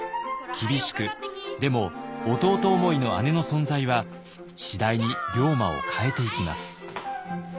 厳しくでも弟思いの姉の存在は次第に龍馬を変えていきます。